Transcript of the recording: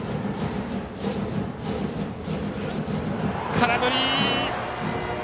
空振り！